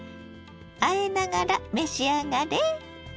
あえながら召し上がれ！